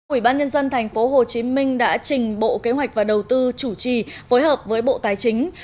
ủy ban nhân dân tp hcm đã trình bộ kế hoạch và đầu tư chủ trì phối hợp với bộ tài chính